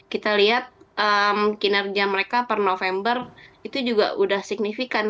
kita lihat kinerja mereka per november itu juga sudah signifikan